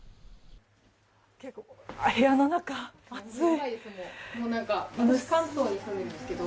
部屋の中、暑い。